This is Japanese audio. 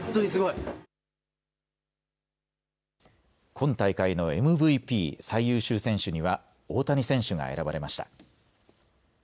今大会のＭＶＰ・最優秀選手には大谷選手が選ばれました。